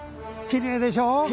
きれいでしょう。